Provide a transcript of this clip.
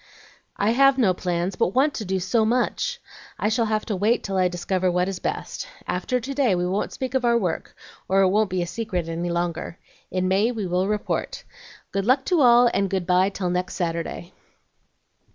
"I have no plans, but want to do so much! I shall have to wait till I discover what is best. After to day we won't speak of our work, or it won't be a secret any longer. In May we will report. Good luck to all, and good by till next Saturday."